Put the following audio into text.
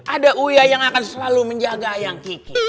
ada uya yang akan selalu menjaga yang kiki